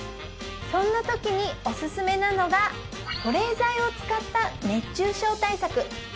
そんなときにおすすめなのが保冷剤を使った熱中症対策